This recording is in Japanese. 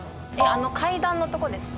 あの階段のとこですか？